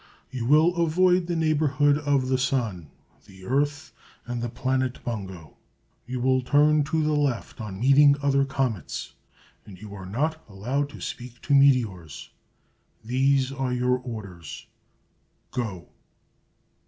You will avoid the neighborhood of the Sun, the Earth, and the planet Bungo. You will turn to the left on meeting other comets, and you are not allowed to speak to meteors. These are your orders. Go!"